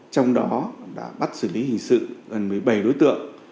trong đó đã bắt xử lý hình sự gần một mươi bảy đối tượng